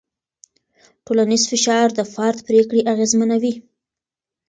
ټولنیز فشار د فرد پرېکړې اغېزمنوي.